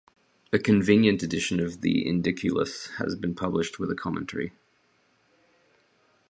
A convenient edition of the Indiculus has been published with a commentary.